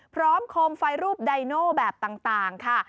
พร้อมคมไฟรูปไดโนแบบต่างค่ะ